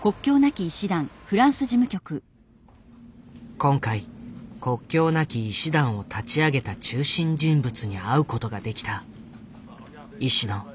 今回国境なき医師団を立ち上げた中心人物に会うことができた。